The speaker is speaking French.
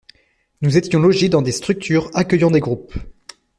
Nous étions logés dans des structures accueillant des groupes